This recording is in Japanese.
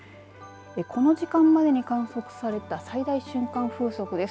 この時間までに観測された最大瞬間風速です。